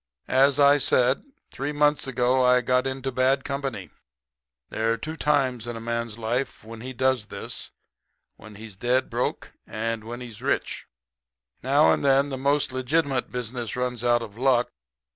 "As I said, three months ago I got into bad company. There are two times in a man's life when he does this when he's dead broke, and when he's rich. "Now and then the most legitimate business runs out of luck.